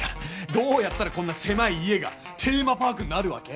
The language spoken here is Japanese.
どうやったらこんな狭い家がテーマパークになるわけ？